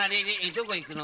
どこいくの？